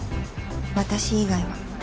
私以外は